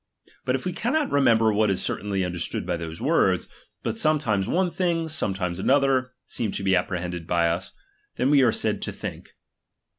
But if we cannot remember ^H what is certainly understood hy those words, but ^H sometimes one thing, sometimes another seem to ^H be apprehended by us, then we are said to think.